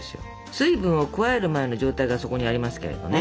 水分を加える前の状態がそこにありますけれどね。